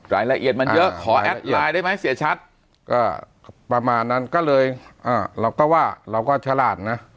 รายละเอียดมันเยอะขอแอดไลน์ได้ไหมเสียชัดก็ประมาณนั้นก็เลยเราก็ว่าเราก็ฉลาดนะ